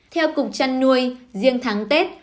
theo cục chăn nuôi riêng tháng tết